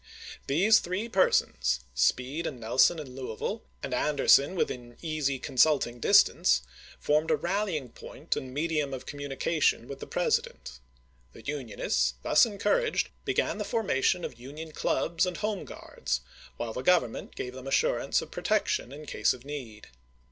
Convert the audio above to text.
These three persons, Speed and Nelson at Louisville, and 236 ABKAHAM LINCOLN Chap. XII. AndersoD within easy consulting distance, formed a rallying point and medium of communication with the President. The Unionists, thus encour aged, began the formation of Union Clubs and Home Guards, while the Grovernraent gave them assurance of protection in case of need.